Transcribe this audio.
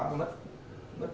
nó mất bộ trình báo